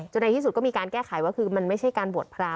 ในที่สุดก็มีการแก้ไขว่าคือมันไม่ใช่การบวชพระ